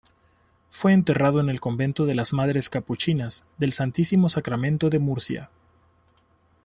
Fue enterrado en el convento de las Madres Capuchinas del Santísimo Sacramento de Murcia.